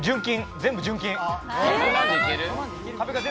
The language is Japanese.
全部純金。